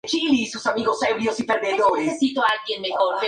Army Corps of Engineers entidad que había terminado el canal de Panamá.